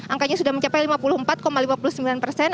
angkanya sudah mencapai lima puluh empat lima puluh sembilan persen